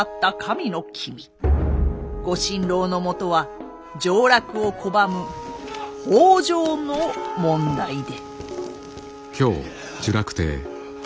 ご心労のもとは上洛を拒む北条の問題で。